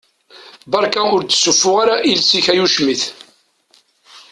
Barka ur d-ssufuɣ ara iles-ik ay ucmit!